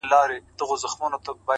• کم اصل ګل که بویوم ډک دي باغونه,